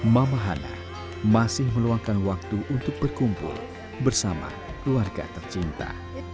mama hana masih meluangkan waktu untuk berkumpul bersama keluarga tercinta